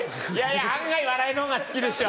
案外笑いのほうが好きでしょ？